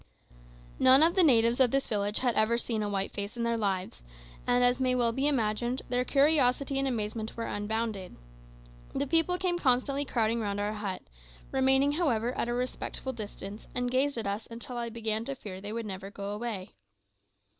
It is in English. None of the natives of this village had ever seen a white face in their lives, and, as may well be imagined, their curiosity and amazement were unbounded. The people came constantly crowding round our hut, remaining, however, at a respectful distance, and gazed at us until I began to fear they would never go away.